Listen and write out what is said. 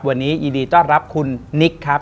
วันนี้ยินดีต้อนรับคุณนิกครับ